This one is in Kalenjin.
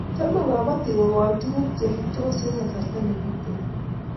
Chomei kabotik kokol tukuk che rurtos eng kasarta ne kitegen.